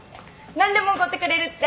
何でもおごってくれるって。